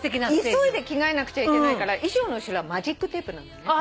急いで着替えなくちゃいけないから衣装の後ろはマジックテープなのね。